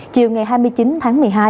chiều ngày hai mươi chín tháng một mươi hai